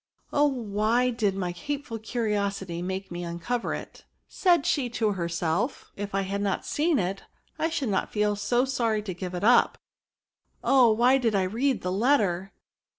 Oh ! why did my hateful curiosity make me uncover it ?" said she to herself; '' if I had not seen it, I should not feel so sorry to give it up ; oh ! why did I read the letter?